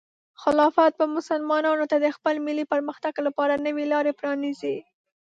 خلافت به مسلمانانو ته د خپل ملي پرمختګ لپاره نوې لارې پرانیزي.